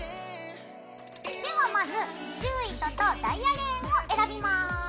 ではまず刺しゅう糸とダイヤレーンを選びます。